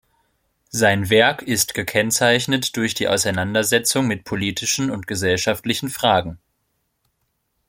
Sein Werk ist gekennzeichnet durch die Auseinandersetzung mit politischen und gesellschaftlichen Fragen.